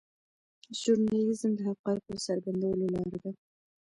ژورنالیزم د حقایقو څرګندولو لاره ده.